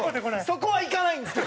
そこはいかないんですけど。